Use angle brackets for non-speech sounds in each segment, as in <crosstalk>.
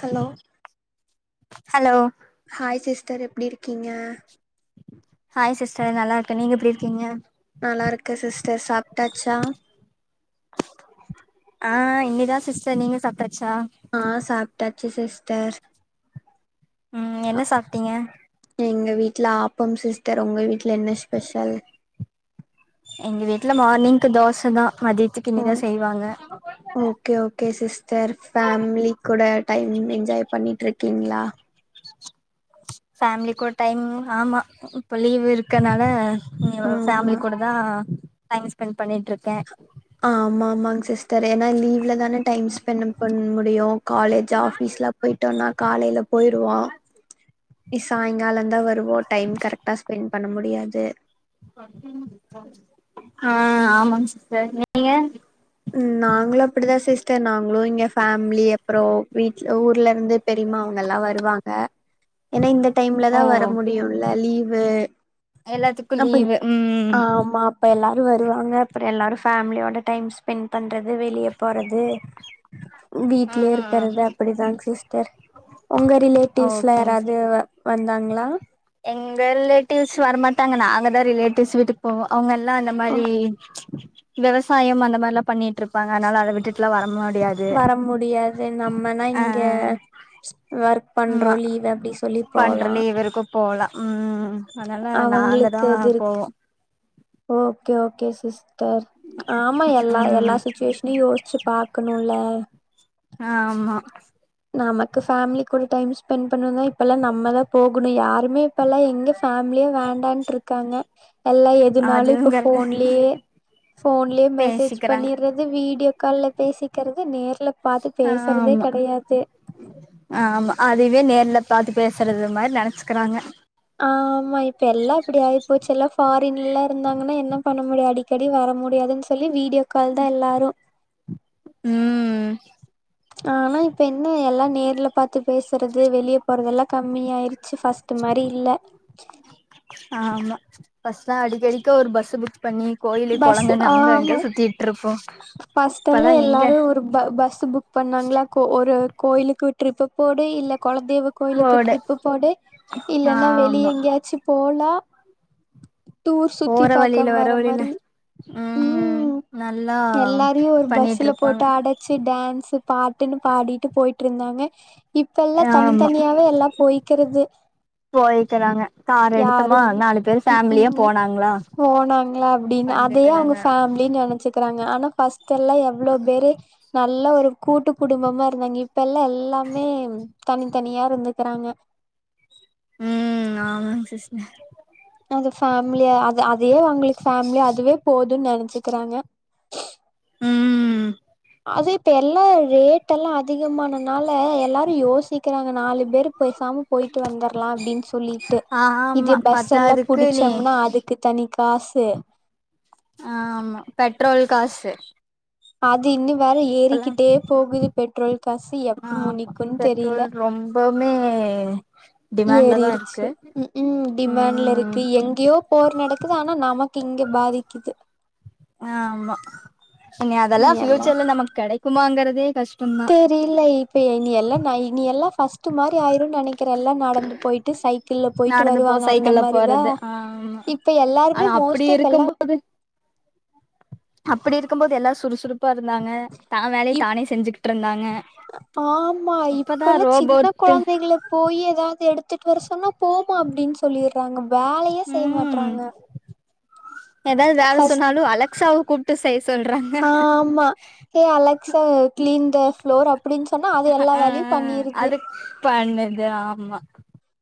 Hello hello hi sister எப்டி இருக்கீங்க hi sister நல்லாருக்கே நீங்க எப்டி இருக்கீங்க நல்லாருக்கு சிஸ்டர் சாப்ட்டாச்சா ஆ இனிதா சிஸ்டர் நீங்க சாப்ட்டாச்சா ஆ சாப்டாச்சு சிஸ்டர் ம் என்ன சாப்ட்டீங்க எங்க வீட்ல ஆப்பம் சிஸ்டர் ஒங்க வீட்ல என்ன ஸ்பெஷல் எங்க வீட்ல மார்னிங்க்கு தோச தா மதியத்துக்கு இனி ஓ தா செய்வாங்க ஓகே ஓகே சிஸ்டர் ஃபேமிலி கூட டைம் என்ஜாய் பண்ணிட்ருக்கீங்களா ஃபேமிலி கூட டைம் ஆமா இப்ப லீவ் இருக்கனால இங்யு ஆமா ஃபேமிலி கூட தா டைம் ஸ்பெண்ட் பண்ணிட்ருக்கே ஆமாமாங் சிஸ் தெறைய நாள் லீவ்ல தான டைம் ஸ்பெண்ட் பண்ண முடியு காலேஜ் ஆஃபீஸ்லா போய்ட்டோம்ன்னா காலேல போயிறுவா ஆ சாங்காலந் தா வருவோ டைம் கரெக்டா ஸ்பெண்ட் பண்ண முடியாது ஆ ஆமாங் சிஸ்டர் நீங்க நாங்களு அப்டிதா சிஸ்டர் நாங்களு இங்க ஃபேமிலி அப்பறோ வீட்ல ஊர்ல இருந்து பெரியமா அவுங்கல்லா வருவாங்க ஏன்னா இந்த டைம்ல தா ஓ வர முடியும்ல லீவு எல்லாத்துக்கு அப்ப லீவு ம் ஆமா அப்ப எல்லாரு வருவாங்க அப்பறோ எல்லாரு ஃபேமிலியோட டைம் ஸ்பெண்ட் பண்றது வெளிய போறது வீட்லயே இருக்கறது அப்டிதாங் சிஸ்டர் உங்க ரிலேட்டிவ்ஸ்ல ஓகேங் யாராவது வந்தாங்ளா எங்க ரிலேட்டிவ்ஸ் வரமாட்டாங்க நாங்க தா ரிலேட்டிவ்ஸ் வீட்டுக்கு போவோ அவுங்க எல்லா அந்த ஓ மாரி விவசாயம் அந்த மாரில்லா பண்ணிட்ருப் ப்பாங்க அதுனால அத விட்டுட்லா வர முடியாது வர முடியாது நம்மனா அ இங்க அ அ ஒர்க் பண்றோ லீவ் அப்டி சொல்லி போலா போல ம் அதுனால நாங்க தா அவங்களுக்கு இது இருக்கு போவோ ஓகே ஓகே சிஸ்டர் ஆமா எல்லா ம் எல்லாச்சுவேஷ் நீ யோசிச்சு பாக்கணுல ஆ ஆமா நமக்கு ஃபேமிலி கூட டைம் ஸ்பெண்ட் பண்ணணுனா இப்பெல்லா நம்ம தா போகணு யாருமே இப்பல்லா எங்க ஃபேமிலியே வேண்டான்ட்ருக்காங்க எல்லா எதுனாலு அதுவு இப்ப கரெக்ட் ஃபோன்லயே ஃபோன்லயே மெசேஜ் பேசிக்கிறாங்க பண்ணிடுறது வீடியோ கால்ல பேசிக்கிறது நேர்ல பாத்து பேசுறதே கெடையாது ஆ ஆமா அதுவே நேர்ல பாத்து பேசுறது மாரி நெனச்சுக்கிறாங்க ஆமா இப்ப எல்லா அப்டி ஆகி போச்சு எல்லா ஃபாரின் ல்லா இருந்தாங்கன்னா என்ன பண்ண முடியு அடி அடிக்கடி வர முடியாதுன்னு சொல்லி வீடியோ கால் தா எல்லாரு ம் ஆனா இப்ப என்ன எல்லா நேர்ல பாத்து பேசுறது வெளிய போறது எல்லா கம்மிய ஆயிரு ச்ச ஃபஸ்ட்டு மாரி இல்ல ஆமா ஃபஸ்ட்டு லா அடிக்கடிக்க ஒரு பஸ்சு புக் பண்ணி கோயிலு பஸ் கொளங்கன்னு அங்க அங்க ஆமா சுத்திட்டு இருப்போ ஃபர்ஸ்ட்டெல்லா இப்பலா எங்க எல்லாரு ஒரு ப பஸ்சு புக் பண்ணாங்களா கோ ஒரு கோயிலுக்கு ட்ரிப் போடு இல்ல குலதெய்வ கோயிலுக்கு போடு ட்ரிப்பு போடு இல்லனா ஆமா வெளிய எங்கேயாச்சு போலா டூர் சுத்தி போற பாக்க வழியில வர மாரி வழியில ம் எல்லாரையு ஒரு பண்ணிட்டு பஸ்ல இருப்பாங்க போட்டு அட ச்சே டான்ஸ் பாட்டுன்னு பாடிட்டு போயிட்டு ருந்தாங்க இப்ப எல்லா தனித்தனியாவே எல்லா போய்க்கிறது போய்கிறாங்க கார் யாரு எடுத்தமா நாலு பேர் ம் ஃபேமிலியா ம் போனாங்களா போனாங்களா அப்டின்னு அதையே அவுங்க வந்துக்கறாங்க ஃபேமிலின்னு நெனச்சு இருக்குறாங்க ஆனா ஃபஸ்ட்டு எல்லா எவ்ளோ பேரு நல்ல ஒரு கூட்டு குடும்பமா இருந்தாங்க இப்ப எல்லா எல்லாமே தனித்தனியா இருந்துக்கிறாங்க ம் ஆமாங்க சிஸ்டர் அது ஃபேமிலியா அ அதையே அவுங்களுக்கு ஃபேமிலி அதுவே போதுன்னு நெனச்சிக்கிறாங்க ம் அது இப்ப எல்லா ரேட் எல்லா அதிகமான னால எல்லாரு யோசிக்கிறாங்க நாலு வெறு பேசாம போயட்டு வந்துற்லா அப்டின்னு சொல்லிட்டு ஆமா இது பஸ் எல்லா பத்தாதுக்கு நீ புடிச்சோம்னா அதுக் துக்கு தனி காசு ஆமா பெட்ரோல் காசு அது இன்னு வேற இப்பல்லா ஏறிக்கிட்டே போகுது பெட்ரோல் காசு எப்ப முடிக்கு னு தெரில இப்பவுமே ஏறிருச்சு ம் ம் டிமாண்ட்ல ம் இருக்கு எங்கேயோ போர் நடக்குது ஆனா நமக்கு இங்க பாதிக்கிது ஆமா இனி அதல்ல ஃபியூச்சர்ல நமக்கு கெடைக்குமா ங்கறதே கஷ்டோ தா செரி இல்லை இப்ப இனி எல்லா னை இனி எல்லா ஃபஸ்ட்டு மாரி ஆயிரு நெனை இருக்கிற எல்லா நடந்து போயிட்டு சைக்கிள்ல போயிட்டு நடந்து போ வருவாங்க அந்த சைக்கிள்ல மாரிதா போறது ஆமா இப்ப ஆனா எல்லாருமே அப்டி மோஸ்ட்டு இப்ப எல்லா இருக்கும்போது அப்டி இருக்கு போது எல்லா சுறுசுறுப்பா இருந்தாங்க தா வேலைய இப் தானே செஞ்சுகிட்டு ருந்தாங்க ஆமா இப்ப எல்லா சின்ன ரோபோட்டு கொழந்தைகளு போய் எதாவது எடுத்துட்டு வர சொன்னா போமா அப்டின்னு சொல்லிறாங்க வேலையே ம் செய்யமாட்டறாங்க ஏதாவது வேல ஃபஸ்ட் சொன்னாலு அலெக்சாவ கூப்ட்டு செய்ய சொல்றாங்க ஆம்மா hey Alexa clean the floor அப்டின்னு சொன்னா அது எல்லா ஆ வேலையு பண்ணிருது அது பண்ணுது ஆமா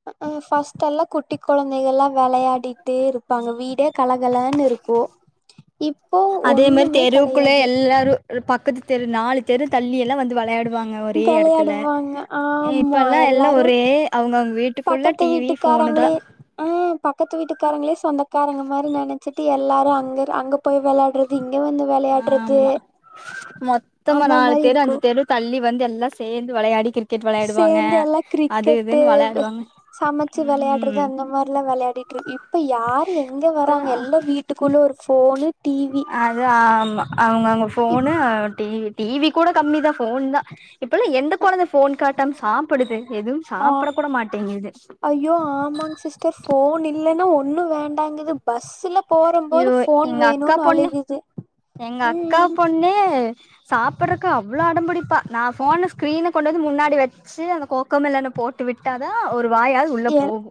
ம்க்கும் ஃபர்ஸ்ட்டல்லா குட்டி கொழந்தைகள்லா வெளையாடிட்டே இருப்பாங்க வீடே கலகலன்னு இருக்கு <inaudible> அதே மாரி ஒண்ணுமே தெருவுக்குள்ள கெடையாது எல்லாரு பக்கத்து தெரு நாலு தெரு தள்ளி எல்லா வந்து வெளையாடு வாங்க ஒரே எடத்துல வெளையாடுவாங்க ஆமா இப்பெல்லா எல்லா எல்லாரு ஒரே அவங்க அவங்க வீட்டுக் குள்ளா பக்கத்து டி வி ஃபோனு தா வீட்டுக்காரங்களே ஆ பக்கத்து வீட்டுக்காரங்களே சொந்தக்காரங்க மாரி நன ச்சிட்டு எல்லாரு அங்க அங்க போய் விளையாடுறது இங்க வந்து வெளையாடுறது ஆமா மொத்தமா அந்த நாலு மாரி தெரு இருக்கு அஞ்சு தெரு தள்ளி வந்து எல்லா சேந்து வெளையாடி கிரிக்கெட் வெளையாடுவாங்க சேந்து அது இதுன்னு வெளையாடுவாங்க சமைச்சு வெளையாடுறது ம் அந்த மாரிலா வெளையாடிட்டு இரு இப்ப யாரு எங்க வராங்க எல்லா வீட் ட்டுகுள்ள ஒரு போனு ஆ அ ஆமா அவங்கவுங்க இப் போனு ஆ டீவி டிவி கூட கம்மி தா போன் தா இப்ப எல்லா எந்த கொழந்த ஃபோன் காட்டாம சாப்புடுது எதுவும் ஆ சாப்பட கூட மாட்டேங்கிது ஐயோ ஆமாங் சிஸ்டர் ஃபோன் இல்லன்னா ஒன்னு வேண்டாங்குது பஸ்ஸுல்ல யோ எங்க அக்கா பொண்ணு எங்க அக்கா ம் பொண்ணு சாப்பட்றக்கு அவ்ளோ அடம்புடிப்பா நா ஃபோன ஸ்க்ரீன கொண்டு வந்து முன்னாடி வெச் சி அந்த கோக்கமெலன்ன போட்டு விட்டாதா ஒரு வாயாது உள்ள எ போகு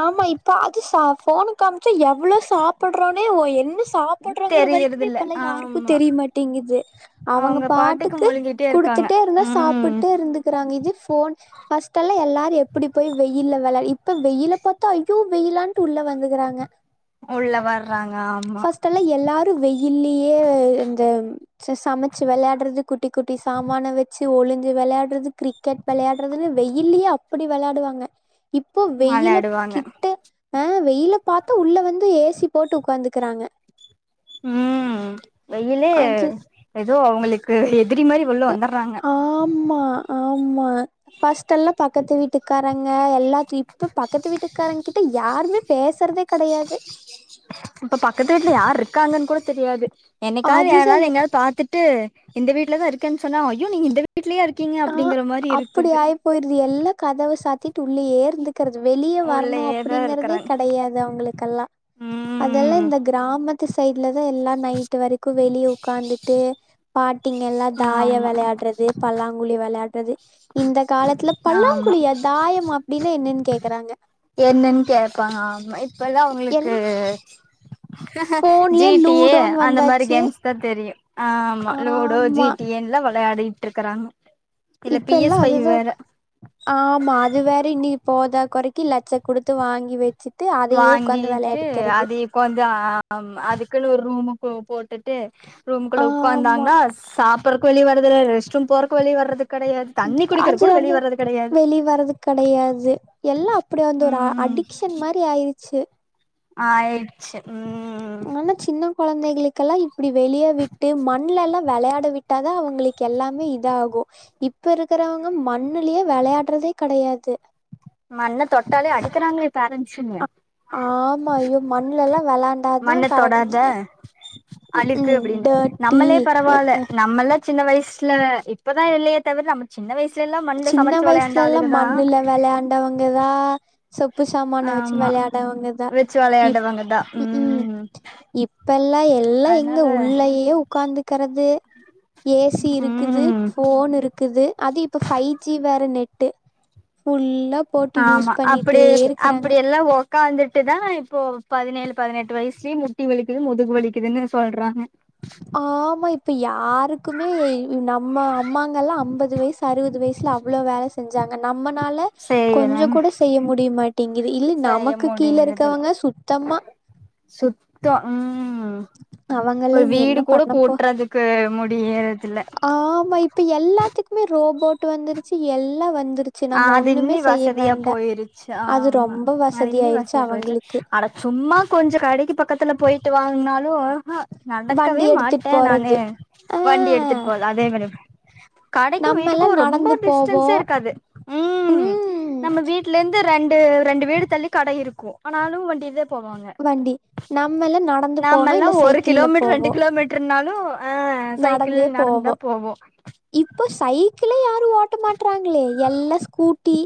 ஆமா இப்ப அது ச ஃபோனு காமுச்சு எவ்ளோ சாப்புட்றானே ஓ என்ன சா சாப்ட்றாங்கன்ற வரக்கிமே தெரியறதில்ல இப்பெல்லா யாருக்கு ஆமா தெரியமாட்டிங்குது அவங்க பாட்டுக்கு முழுங்கிட்டே இருக்காங்க குடுத்துட்டே இருந்தா ம் சாப்புட்டு இருந்துக்கிறாங்க இது போன் ஃபர்ஸ்ட் எல்லா எல்லாரு எப்புடி போய் வெயில்ல வெளா இப்ப வெயில பாத்தா ஐயோ வெயிலான்ட்டு உள்ள வந்துக்கறாங்க உள்ள வர்றாங்க ஆமா எல்லாரும் வெயில்லயே இந்த சமைச்சு வெளையாடுறது குட்டி குட்டி சாமான வெச்சு ஒளிஞ்சு வெளையாடுறது கிர கிரிக்கெட் வெளையாடுறதுன்னு வெயில்லியே அப்பிடி வெளயாடுவாங்க இப்போ வெயிலு வெளாடுவாங்க கிட் ட்டு ஆ வெயில பாத்தா உள்ள வந்து ஏசி போட்டு உக்காந்துக்கறாங்க ம் இதலே அது ஏதோ அவங்களுக்கு எதிரி மாரி உள்ள வந்துற்றாங்க ஆமா ஆமா ஃபஸ்ட் எல்லா பக்கத்து வீட்டுக்காரங்க எல்லா இப்ப பக்கத்து வீட்டுக்காரங்க கிட்ட யாருமே பேசுறதே கெடையாது இப்ப பக்கத்து வீட்டுல யார் இருக்காங்கன்னு கூட தெரியாது என்னைக்காது அதுதா யாரது எங்காது பாத்துட்டு இந்த வீட்டுல தா இருக்கன் சொன்னா ஐயோ நீங்க இந்த வீ வீட்லயா இருக்கீங்க அ ஆ அப்டிங்கற மாரி அப்படி ஆயி போயிருது எல்லா கதவ சாத்திட்டு உள்ளயே இருந்துக்கிறது வெளிய வரணு உள்ளயேதா அப்பிடிங்கறதே இருக்கறாங்க கெடயாது அவங்களுக்கெல்லா அதெல்லா ம் இந்த கிராம து சைட்லதா எல்லா நைட்டு வரைக்கு வெளிய உக்காந்துட்டு பாட்டிங்க எல்லா தாய ஆமா வெளையாடுறது பல்லாங் வெளையாட்றது இந்த காலத்துல ஆமா பல்லாங்குழியா தாயமா அப்டின்னா என்னன்னு கேக்கறாங்க என்னன்னு கேப்பாங்க ஆமா இப்பெல்லா எல் அவ்ங்ளுக்கு ஜீ ஃபோன்லயே டி லூடோன்னு அந்த மாரி வந்தாச்சு கேம்ஸ் தா தெரியு ஆமா லோடோ ஜி ஆமா டி என் லா வெளையாடிட்டு இருக்கறாங்க இதுல இப்ப பி எல்லா எஸ் ஃபைவ் அதுதா கா வேற ஆமா அது வேற இன்னி போதா கொறக்கி லட்ச குடுத்து வாங்கி வெச்சு ட்டு அதையே உக்காந்து வெளையாடிக்கிறது கொஞ்சம் அதுக்குன்னு ஒரு ரூமு போ போட்டுட்டு ரூமுக்குள்ள ஆமா உக்காந்தாங்க்னா சாப்பற்றக்கு வெளிய வரது இல்ல ரெஸ்ட் ரூம் போறக்கு வெளிய வர்றது கெடயாது தண்ணி அது குடிக்கெறக்கூட வெளிய அது வர்து கெட வெளி வரது கிடையாது எல்லா அப்டி வந்து ஒரு ம் அடிக்ஷன் மாரி ஆயிடுச்சு ஆய்டுச்சு ம் ஆனா சின்ன குழந்தைகளுக்குல்லா இப்டி வெளிய விட்டு மண்லெல்லா வெளையாட விட்டு விட்டாதா அவங்களுக்கு எல்லாமே இதாகு இப்ப இருக்கறவங்க மண்ணுலயே வெளையாடுறதே கெடையாது மண்ண தொட்டாலே அடிக்கறாங்களே பேரன்ஸ்சுங்க ஆமா ஐயோ மண்லெல்லா வெளாண்டா தா மண்ண தொடாத கரக்ஷனே அழுக்கு அப்படின் நம்மளே பரவால்ல ம்ஹும். நம்மள சின்ன வயசுல இப்பதா இல்லயே தவிர நம்ம சின்ன வயசு சின்ன வயசுல எல்லா மண்ணுல விளையாண்டவங்கதா சொப்பு சாமான வச்சு ஆமா விளையாடவங்கதா வெச்சு இப் வெளையாண்டவங்கதா ம் ம் இப்பெல்லா எல்லா எங்க அதனால உள்ளயே உக்காந்துக்கறது ஏசி இருக்குது ம் ஃபோன் இருக்குது அது ப் இப்ப ஃபை ஜி வேற நெட்டு ஃபுல்லா போட்டு யூஸ் ஆமா பண்ணிட்டே அப்பிடி இருக்கிறாங்க அப்பிடி எல்லா ஒ ஒட்காந்துட்டு தா இப்போ பதினேழு பதினெட்டு வயசுலயே முட்டி வலிக்குது முதுகு வலிக்குதுன்னு சொல்றாங்க ஆமா இப்ப யாருக்குமே நம்ம அம்மாங்கல்லா ஐம்பது வயசு அறுபது வயசுல அவ்வள வேல செஞ்சாங்க நம்மனால கொஞ்சோ செய்யறாங்க கூட செய்ய முடியமாட்டிங்குது இதுல செய்ய நமக்கு கீழ இருக்கவங்க சுத்தமா சுத்த ம் அவங்கள ஒரு நீ வீடு என்ன கூட பண்ணப்போ கூட்டுறதுக்கு முடியறதுல ஆமா இப்ப எல்லாத்துக்குமே ரோபோட் வந்துருச்சு எல்லா வந்து ஆ அது இன்னி வசதியா போயிருச்சு அது ஆமா ரொம்ப அது இன்னி வசதியாயிருச்சு வசதியா போயிருச்சு அவங்களுக்கு அட சும்மா கொஞ்சோ கடைக்கு பக்கத்துல போயிட்டு வாங்னாலு ஹ வண்டி நடக்கவே எடுத்துட்டு மாட்ட நானு போறது ஆ வண்டி எடுத்துட்டு போலா அதே மாரி கடைக்கு நம்மல்லா வீட்டுக்கு ரொம்ப நடந்து போவோ டிஸ்டன்ஸே இருக்காது ம் நம்ம வீட்டு ல இருந்து ரெண்டு ரெண்டு வீடு தள்ளி கட இருக்கு ஆனாலு வண்டிலதா போவாங்க வண்டி நம்மல்லா நடந்து நாம போனோ எல்லா இல்ல ஒரு சைக்கிள்ல கிலோமீட்டர் ரெண்டு போவோ கிலோமீட்டர் ட்ருநாலு அஹ் சைக்கிள் நடந்துதா போவோ இப்போ சைக்கிளே யாரு ஓட்ட மாட்றாங்களே எல்லா ஸ்கூட்டி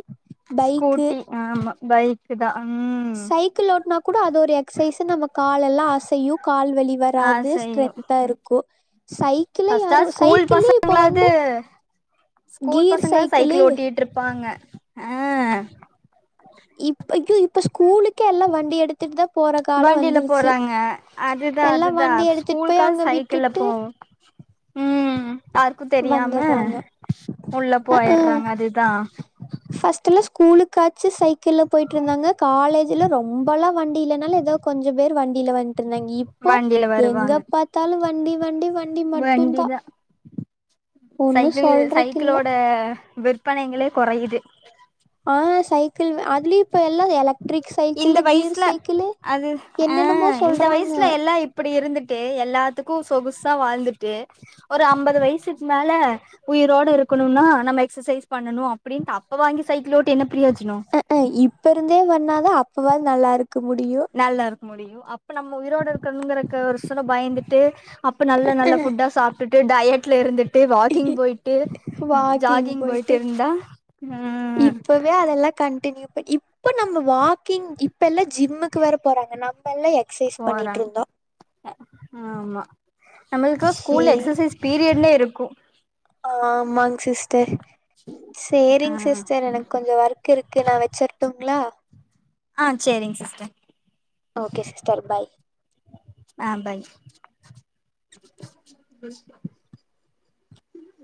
பைக்கு ஸ்கூட்டி ஆமா பைக்கு தா ம் சைக்கிள் ஓட்னா கூட அது ஒரு எக்சைஸ் நமக் கால் எல்லா அசையு கால் வலி ஆ வராது செய்யு ஸ்ட்ரென்தா இருக்கு சைக்கிள ஃபஸ்ட்டா யாரு ஸ்கூல் சைக்கிளு இப்போ வந்து பசங்களாவது ஸ்கூல் கீர் பசங்களா சைக்கிளு சைக்கிள் ஓட்டிட்டு இருப்பாங்க அ இப் ஐயோ இப்ப ஸ்கூலுக்கே எல்லா வண்டி எடுத்து வித்துட்டு தா போற காலோ வண்டில வந்துருச்சு போறாங்க அதுதா எல்லா அதுதா வண்டி எடுத்துட்டு போய் ஸ்கூலுக்காவது அங்க சைக்கிள்ல விட்டுட்டு போவோ ம் யாருக்கு தெரியாம வந்துடுறாங்க உள்ள போய்டுறாங்க அதுதா ஃபர்ஸ்ட்ல்லா ஸ்கூலுக்காச்சு சைக்கிள்ல போயிட்டு இருந்தாங்க காலேஜ்ல ரொம்பல்லா வண்டி இல்லனாலு ஏதோ கொஞ்ச பேர் வண்டியில வந்துட்டு இருந்தாங்க இப்போ வண்டில வருவாங்க எங்க பாத் எடுத்ததாலு வண்டி வண்டி வண்டி மட்டுந்தா வண்டிதா ஒன்னு சைக்கிள் சொல்றக்கு இல்ல சைக்கிளோட விற்பனைகளே குறையுது ஆ சைக்கிள் அதுலயு இப்ப எல்லா எலக் இந்த வயசுல அது ஆ என்னென்னமோ இந்த சொல்றாங்க வயசுல எல்லா இப் இப்புடி இருந்துட்டு எல்லாத்துக்கு சொகுசா வாழ்ந்துட்டு ஒரு அம்பது வயசுக்கு மேல உயிரோட இருக்கணும்னா நம்ம எக்ஸசைஸ் பண்ணணு அப்படின் அப்ப வாங்கி சைக்கிள் ஓட்டி என்ன பிரியோஜனோ அ இப்ப இருந்தே வண்ணாதா அப்பவாது நல்லா இருக்க முடியு நல்லா இருக்க முடியு அப்ப நம்ம உயிரோட இருக்கணுங்கறக்கு ஒரு சிலர் பயந்துட்டு அப்ப நல்ல நல்ல ஃபுட்டா சாப்ட்டுட்டு டயட்ல இருந்துட்டு ட்டு வாக்கிங் போயிட்டு ஜாகிங் போயிட்டு இருந்தா ஆ இப்பவே அதெல்லா கண்டினியூ பண்ண இப்ப நம்ம வாக்கிங் இப்ப எல்லாம் ஜிம்முக்கு வேற போறாங்க நம் இப்பலா எக்ஸே போறாங் ஆமா நம்மளுக்கு சே ஸ்கூல்ல எக்ஸசைஸ் பீரியட்ல இருக்கும் ஆமாங் சிஸ்டர் ஆ சேரிங் சிஸ்டர் எனக்கு கொஞ்சம் ஒர்க் இருக்கு நான் வச்சிருட்டங்களா அ sharing sister okay sister bye ஆ பாய் ம்